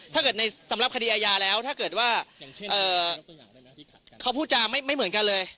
ถ้าเกิดในสำหรับคดีอาญาแล้วถ้าเกิดว่าอย่างเช่นเขาพูดจาไม่เหมือนกันเลย